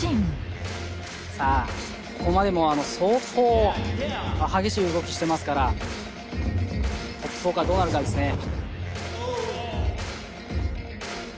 さあ、ここまでも相当激しい動きしてますからどうなるかですね。